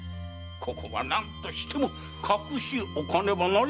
ここは何としても隠しおかねば。